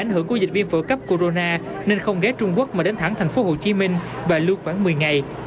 họ sẽ đến thẳng thành phố hồ chí minh và lưu quản một mươi ngày